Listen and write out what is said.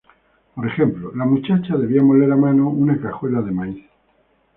Por ejemplo; la muchacha debía moler a mano una cajuela de maíz.